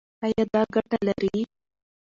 ایا دا ګټه لري؟